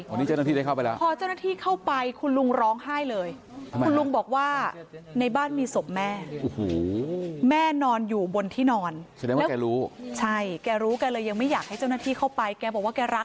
อันนี้เจ้าหน้าที่ได้เข้าไปแล้ว